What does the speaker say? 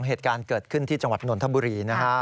เหตุการณ์เกิดขึ้นที่จังหวัดนนทบุรีนะฮะ